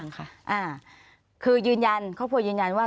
ค่ะคือยืนยันครอบครัวยืนยันว่า